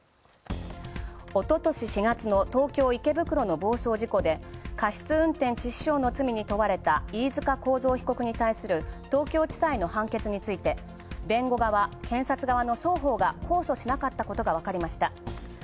おととし４月の東京・池袋の暴走事故で過失運転致死傷の罪にとわれた飯塚被告に対する東京地裁の判決について、べんご側検察側の双方が控訴しなかったことがわかりました。